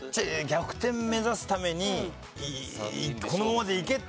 逆転目指すためにこのままでいけって感じなのか